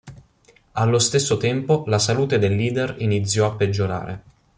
Allo stesso tempo, la salute del leader iniziò a peggiorare.